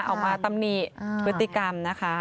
ออกมาตำนีพฤติกรรมนะคะ